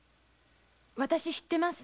私知ってます。